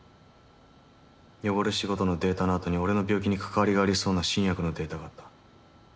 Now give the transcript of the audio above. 汚れ仕事のデータのあとに俺の病気に関わりがありそうな新薬のデータがあった。